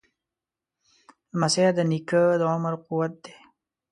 لمسی د نیکه د عمر قوت دی.